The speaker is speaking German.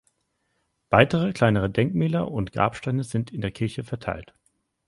Weitere kleinere Denkmäler und Grabsteine sind in der Kirche verteilt.